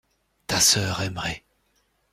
Ta sœur aimerait.